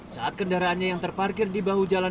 saat kendaraannya yang terparkir di bahu jalan